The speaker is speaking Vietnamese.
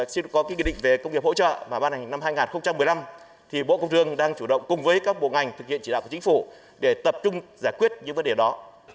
xin có nghị định về công nghiệp hỗ trợ và ban hành năm hai nghìn một mươi năm thì bộ công thương đang chủ động cùng với các bộ ngành thực hiện chỉ đạo của chính phủ để tập trung giải quyết những vấn đề đó